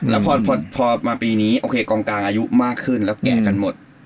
แล้วพอมาปีนี้โอเคกองกลางอายุมากขึ้นแล้วแก่กันหมด